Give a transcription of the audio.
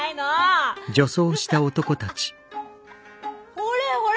ほれほれ。